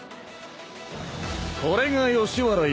これが吉原遊郭。